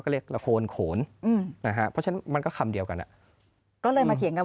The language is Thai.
เรียกละโคนโขนหรือมันก็คำเดียวกันน่ะก็เลยมาเถียงกัน